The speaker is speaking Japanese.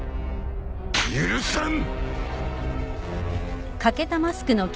許さん！